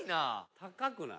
高くない？